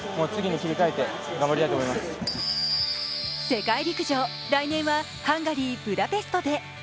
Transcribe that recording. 世界陸上、来年はハンガリー・ブダペストで。